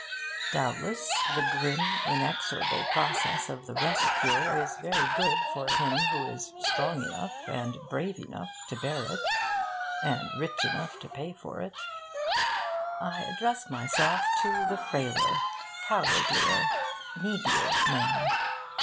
Doubtless, the grim, inexorable process of the 'rest cure' is very good for him who is strong enough and brave enough to bear it, and rich enough to pay for it. I address myself to the frailer, cowardlier, needier man.